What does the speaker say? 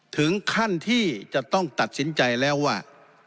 ถึงขั้นที่จะต้องตัดสินใจแล้วว่า